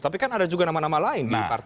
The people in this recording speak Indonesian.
tapi kan ada juga nama nama lain di partai